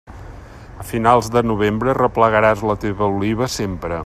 A finals de novembre, replegaràs la teua oliva sempre.